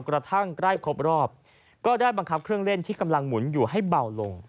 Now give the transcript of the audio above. กระทั่งใกล้ครบรอบก็ได้บังคับเครื่องเล่นที่กำลังหมุนอยู่ให้เบาลง